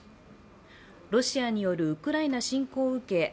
ロシアによるウクライナ侵攻を受け